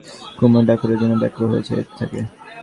কুমু ডাকের জন্যে ব্যগ্র হয়ে চেয়ে থাকে।